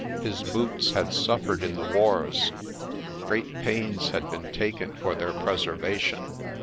His boots had suffered in the wars. Great pains had been taken for their preservation.